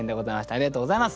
ありがとうございます。